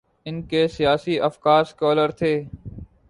ان کے سیاسی افکار سیکولر تھے۔